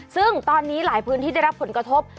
ซึ่งตอนนี้หลายพื้นที่ได้รับผลกระทบ